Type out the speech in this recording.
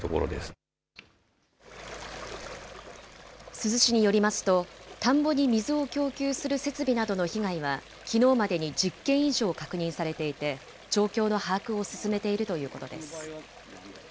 珠洲市によりますと、田んぼに水を供給する設備などの被害はきのうまでに１０件以上確認されていて、状況の把握を進めているということです。